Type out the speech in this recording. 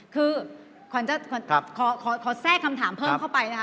คือขอแทรกคำถามเพิ่มเข้าไปนะคะ